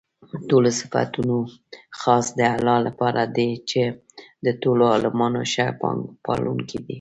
ټول صفتونه خاص د الله لپاره دي چې د ټولو عالَمونو ښه پالونكى دی.